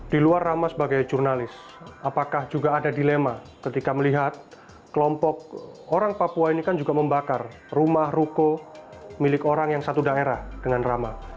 di luar rama sebagai jurnalis apakah juga ada dilema ketika melihat kelompok orang papua ini kan juga membakar rumah ruko milik orang yang satu daerah dengan ramah